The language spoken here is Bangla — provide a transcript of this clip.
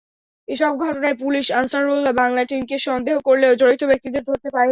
এসব ঘটনায় পুলিশ আনসারুল্লাহ বাংলা টিমকে সন্দেহ করলেও জড়িত ব্যক্তিদের ধরতে পারেনি।